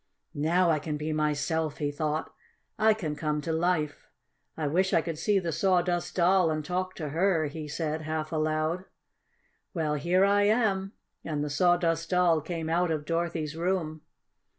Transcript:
"Now I can be myself," he thought. "I can come to life. I wish I could see the Sawdust Doll and talk to her," he said half aloud. "Well, here I am," and the Sawdust Doll came out of Dorothy's room.